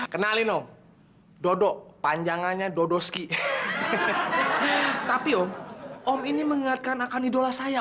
kenalin om dodok panjangannya dodoski tapi om ini mengingatkan akan idola saya